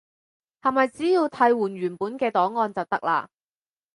係咪只要替換原本嘅檔案就得喇？